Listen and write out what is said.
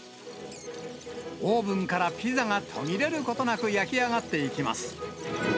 オーブンからピザが途切れることなく焼き上がっていきます。